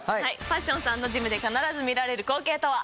パッションさんのジムで必ず見られる光景とは？